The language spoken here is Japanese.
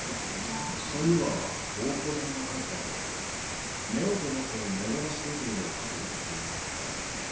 そういえば大久保さんが帰った後寝ようと思って目覚まし時計をかけた時。